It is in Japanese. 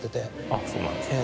あっそうなんですね。